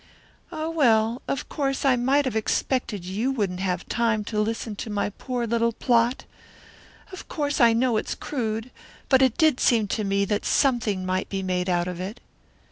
"Oh, well, of course I might have expected you wouldn't have time to listen to my poor little plot. Of course I know it's crude, but it did seem to me that something might be made out of it."